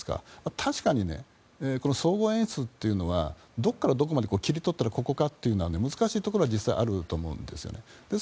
確かに、総合演出というのはどこからどこまで切り取ったらここかっていうのは難しいというのがあると思います。